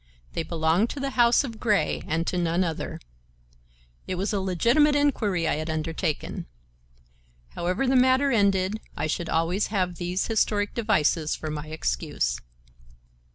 They belonged to the house of Grey, and to none other. It was a legitimate inquiry I had undertaken. However the matter ended, I should always have these historic devices for my excuse.